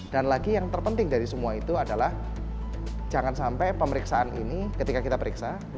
dan lagi yang terpenting dari semua itu adalah jangan sampai pemeriksaan ini ketika kita periksa